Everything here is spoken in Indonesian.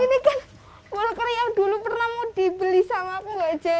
ini kan walker yang dulu pernah mau dibeli sama aku nggak jadi